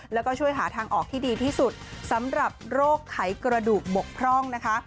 แล้วก็ช่วยหาทางออกที่ดีที่สุดสำหรับโรคไขกระดูกบกพร่องนะคะ